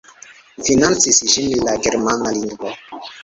Financis ĝin la Germana Ligo.